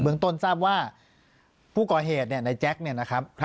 เมืองต้นทราบว่าผู้ก่อเหตุเนี่ยในแจ็คเนี่ยนะครับ